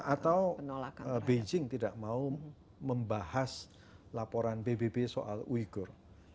atau beijing tidak mau membahas laporan pbb soal uyghur